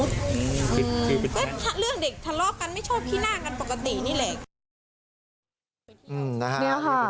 ก็เรื่องเด็กทะเลาะกันไม่ชอบขี้หน้ากันปกตินี่แหละ